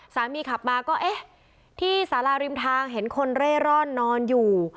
สามีขับมาก็เอ๊ะที่สาราริมทางเห็นคนเร่ร่อนนอนอยู่